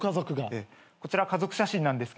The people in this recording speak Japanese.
こちら家族写真なんですけどね。